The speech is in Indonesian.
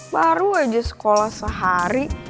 baru aja sekolah sehari